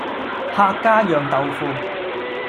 客家釀豆腐